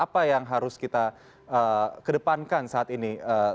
apa yang harus kita kedepankan saat ini